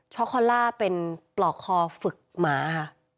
ช็อกคอนล่าเป็นปลอกคอฝึกหมา